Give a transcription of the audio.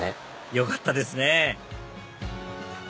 よかったですね